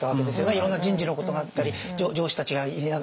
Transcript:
いろんな人事のことがあったり上司たちがいなくなったり。